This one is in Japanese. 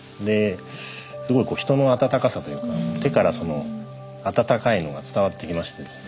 すごい人の温かさというか手から温かいのが伝わってきましてですね